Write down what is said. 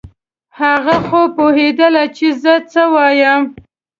هغه خو پوهېدله چې زه څه وایم.